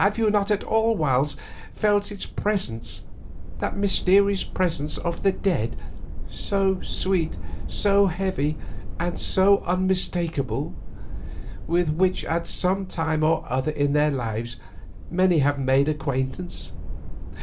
Have you not at whiles felt its presence, that mysterious presence of the dead, so sweet, so heavy, and so unmistakable, with which at some time or other in their lives many have made acquaintance?